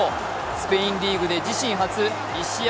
スペインリーグで自身初２試合